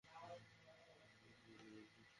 হ্যাঁ, পা রাখার জায়গা নেই।